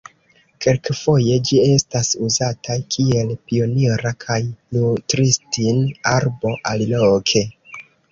Kelkfoje ĝi estas uzata kiel pionira kaj nutristin-arbo aliloke.